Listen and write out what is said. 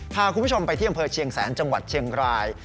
พาคุณผู้ชมไปที่อำเภอเชียงแสนจังหวัดเชียงราย